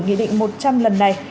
nghị định một trăm linh lần này